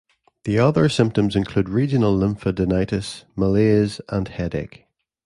The other symptoms include regional lymphadenitis, malaise, and headache.